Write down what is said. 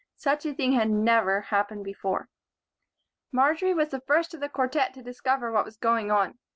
Such a thing had never happened before. Marjory was the first of the quartette to discover what was going on.